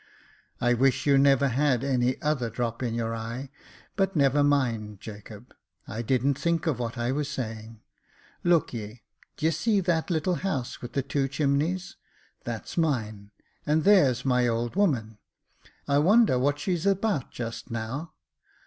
I wish you never had any other drop in your eye, — but never mind, Jacob, I didn't think of what I was saying. Look ye, d'ye see that little house with the two chimneys — that's mine, and there's my old woman — I wonder what she's about just now."